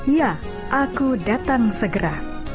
ya aku datang segera